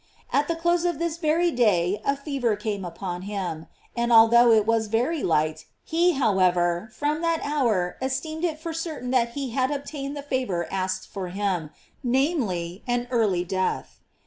At the close of this very day a fever came upon him, and although it was very light, he, however, from that hour esteemed it for certain 494 GLORIES OF MARY. that he had obtained the favor asked for film, namely, an early death.